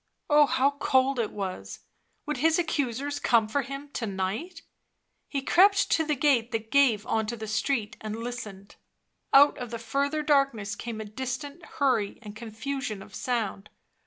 Oh, how cold it was ! Would his accusers come for him to night 1 ? He crept to the gate that gave on to the street and listened. Out of the further darkness came a distant hurry and confusion of sound.